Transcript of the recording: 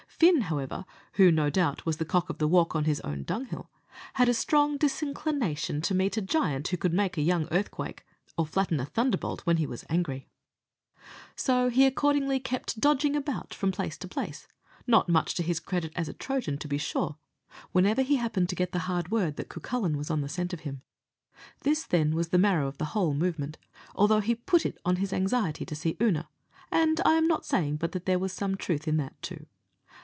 Fin, however, who no doubt was the cock of the walk on his own dunghill, had a strong disinclination to meet a giant who could make a young earthquake, or flatten a thunderbolt when he was angry; so he accordingly kept dodging about from place to place, not much to his credit as a Trojan, to be sure, whenever he happened to get the hard word that Cucullin was on the scent of him. This, then, was the marrow of the whole movement, although he put it on his anxiety to see Oonagh; and I am not saying but there was some truth in that too.